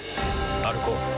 歩こう。